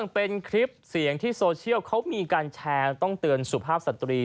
เป็นคลิปเสียงที่โซเชียลเขามีการแชร์ต้องเตือนสุภาพสตรี